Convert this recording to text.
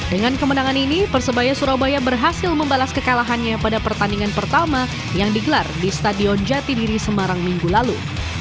dengan kemenangan ini persebaya surabaya berhasil membalas kekalahannya pada pertandingan pertama yang digelar di stadion jatidiri semarang minggu lalu